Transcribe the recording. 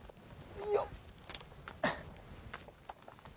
よっ！